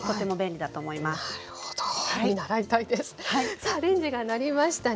さあレンジが鳴りましたね。